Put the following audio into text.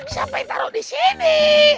siapa yang taruh di sini